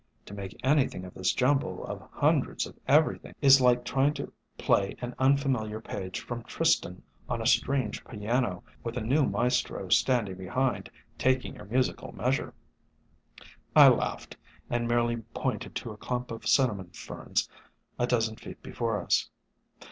To make anything of this jumble of hundreds of everything is like trying to play an unfamiliar page from Tristan on a strange piano with a new maestro standing behind taking your musical measure." I laughed, and merely pointed to a clump of Cinnamon Ferns a dozen feet before us.